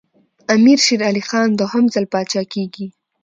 امیر شېر علي خان دوهم ځل پاچا کېږي.